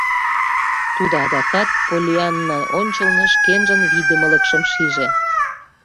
Тудо адакат Поллианна ончылно шкенжын вийдымылыкшым шиже.